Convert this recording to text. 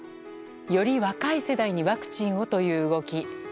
より若い世代にワクチンをという動き。